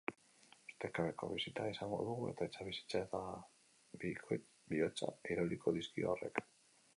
Ustekabeko bisita izango du, eta bizitza eta bihotza irauliko dizkio horrek.